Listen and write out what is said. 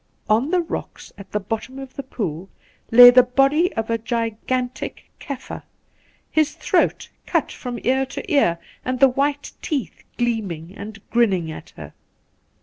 ' On the rocks at the bottom of the pool lay the body of a gigantic Kaffir, his throat cut from ear to ear, and the white teeth gleaming and grinning at her.